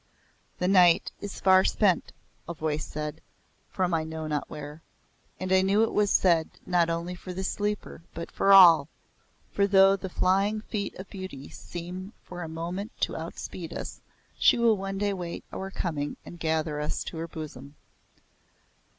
"The night is far spent," a voice said, from I know not where. And I knew it was said not only for the sleeper but for all, for though the flying feet of Beauty seem for a moment to outspeed us she will one day wait our coming and gather us to her bosom.